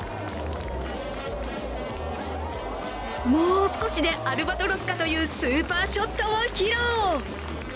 もう少しでアルバトロスかというスーパーショットを披露。